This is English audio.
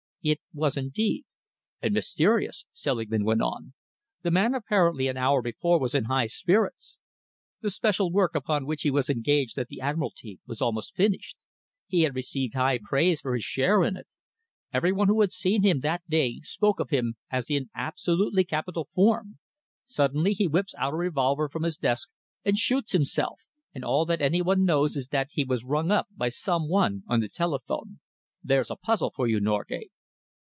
"It was indeed." "And mysterious," Selingman went on. "The man apparently, an hour before, was in high spirits. The special work upon which he was engaged at the Admiralty was almost finished. He had received high praise for his share in it. Every one who had seen him that day spoke of him as in absolutely capital form. Suddenly he whips out a revolver from his desk and shoots himself, and all that any one knows is that he was rung up by some one on the telephone. There's a puzzle for you, Norgate."